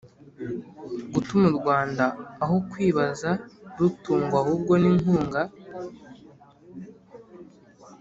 gutuma u Rwanda aho kwihaza rutungwa ahubwo n inkunga